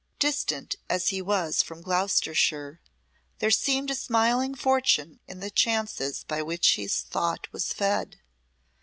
Distant as he was from Gloucestershire there seemed a smiling fortune in the chances by which his thought was fed.